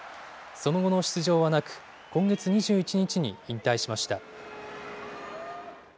その後の出場はなく、今月２１日に引退しました。